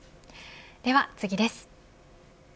では次です。